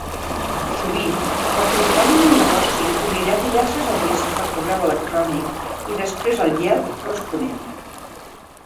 Sovint, el propietari d'un negoci obrirà diverses adreces de correu electrònic i després el Yelp corresponent!